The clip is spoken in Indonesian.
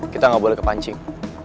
kita gak boleh ke pancing